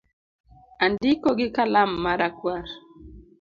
Andiko gi kalam ma rakwar